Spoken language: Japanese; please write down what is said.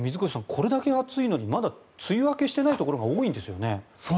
これだけ暑いのにまだ梅雨明けしていないところが多いんですよね。